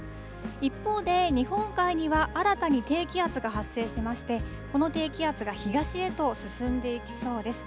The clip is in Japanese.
一方で、日本海には新たに低気圧が発生しまして、この低気圧が東へと進んでいきそうです。